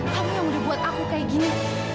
kamu yang udah buat aku kayak gini